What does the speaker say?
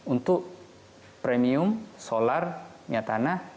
untuk premium solar miatanah